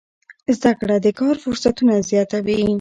زده کړه د کار فرصتونه زیاتوي.